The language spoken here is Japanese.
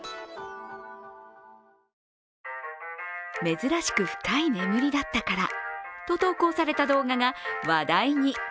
珍しく深い眠りだったからと投稿された動画が話題に。